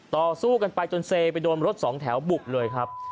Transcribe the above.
ต่อสู้กันไปจนเซไปโดนรถสองแถวบุกเลยครับ